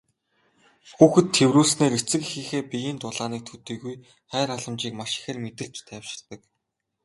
Хүүхэд тэврүүлснээр эцэг эхийнхээ биеийн дулааныг төдийгүй хайр халамжийг маш ихээр мэдэрч тайвширдаг.